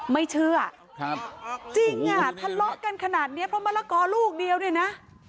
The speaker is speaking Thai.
ไม่เชื่อครับจริงอ่ะทะเลาะกันขนาดนี้เพราะมะละกอลูกเดียวเนี่ยนะ